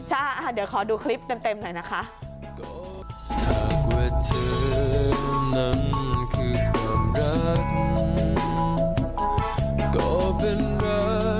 ใช่เดี๋ยวขอดูคลิปเต็มหน่อยนะคะ